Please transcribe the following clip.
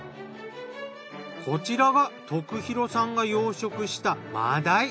こちらが徳弘さんが養殖した真鯛。